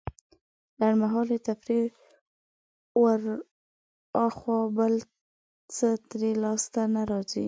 لنډمهالې تفريح وراخوا بل څه ترې لاسته نه راځي.